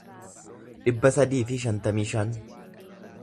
dhibba sadii fi shantamii shan